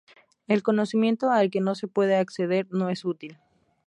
El conocimiento al que no se puede acceder no es útil.